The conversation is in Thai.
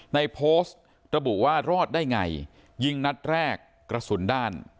ในโพสต์ระบุว่ารอดได้ไงยิงนัดแรกกระสุนด้าน